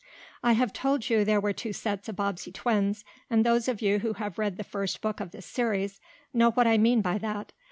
I have told you there were two sets of Bobbsey twins, and those of you who have read the first book of this series know what I mean by that.